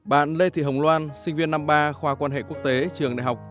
bạn lê thị hồng loan sinh viên năm ba khoa quan hệ quốc tế trường đại học hà nội